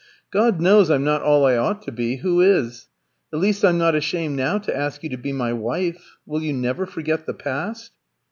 God knows I'm not all I ought to be, who is? At least, I'm not ashamed now to ask you to be my wife. Will you never forget the past?"